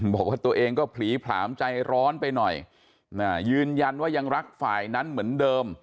บอกว่าตัวเองก็ผลีผลามใจร้อนไปหน่อยยืนยันว่ายังรักฝ่ายนั้นเหมือนเดิม